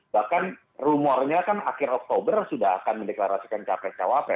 bahkan rumornya kan akhir oktober sudah akan mendeklarasikan capres cawapres